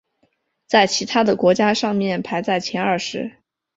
在其他的国家上面排在前二十。